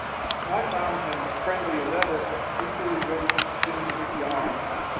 I found him friendly as ever, equally ready to spin his yarns.